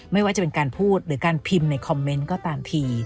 ไม่ว่าจะเป็นการพูดหรือการพิมพ์ในคอมเมนต์ก็ตามที